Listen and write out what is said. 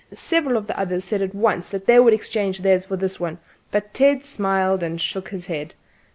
Several of the others said at once that they would exchange theirs for this one; but Ted smiled and shook his head.